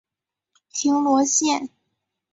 平罗线